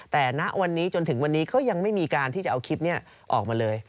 แต่ณวันนี้จนถึงวันนี้ก็ยังไม่มีการที่จะเอาคลิปนี้ออกมาเลย